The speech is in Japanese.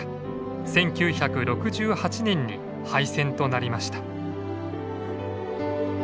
１９６８年に廃線となりました。